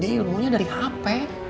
dia ilmunya dari hp